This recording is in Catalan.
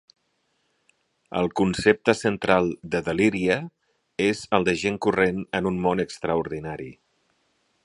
El concepte central de Deliria és el de gent corrent en un món extraordinari.